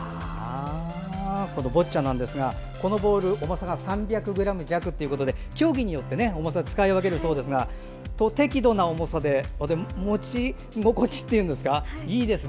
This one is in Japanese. このボッチャなんですがこのボール重さが３００ｇ弱ということで競技によって重さを使い分けるそうですが適度な重さで持ち心地っていうんですかいいですね